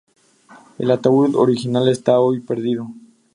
El ataúd original está hoy perdido.